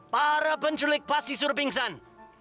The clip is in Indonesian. para penculik pasti sudah pingsan